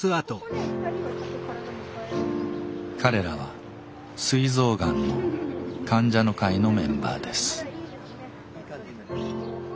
彼らはすい臓がんの患者の会のメンバーです。